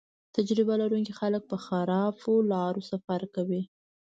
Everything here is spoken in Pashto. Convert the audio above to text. تجربه لرونکي خلک په خرابو لارو سفر کوي